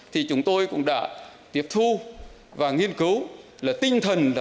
thì chúng tôi cũng đã nói rằng